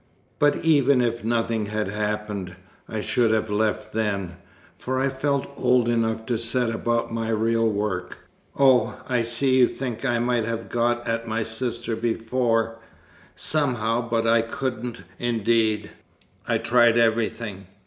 But even if nothing had happened, I should have left then, for I felt old enough to set about my real work. Oh, I see you think I might have got at my sister before, somehow, but I couldn't, indeed. I tried everything.